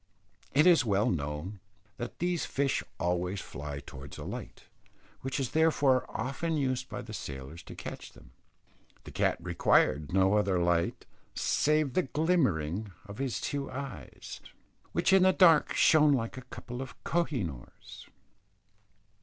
It is well known that these fish always fly towards a light, which is therefore often used by the sailors to catch them. The cat required no other light save the glimmering of his two eyes, which in the dark shone like a couple of koh i noors.